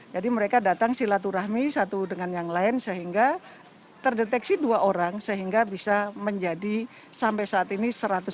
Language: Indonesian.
jadi mereka datang silaturahmi satu dengan yang lain sehingga terdeteksi dua orang sehingga bisa menjadi sampai saat ini satu ratus empat